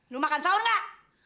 lu makan saur gak